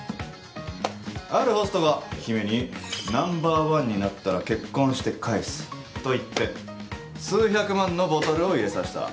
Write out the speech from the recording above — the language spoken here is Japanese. あるホストが姫にナンバーワンになったら結婚して返すと言って数百万のボトルを入れさした。